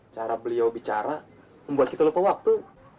cara beliau bicara membuat kita lupa waktu